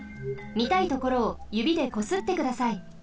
みたいところをゆびでこすってください。